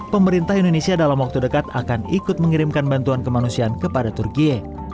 pemerintah indonesia dalam waktu dekat akan ikut mengirimkan bantuan kemanusiaan kepada turkiye